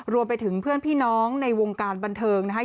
รวมไปถึงเพื่อนพี่น้องในวงการบันเทิงนะคะ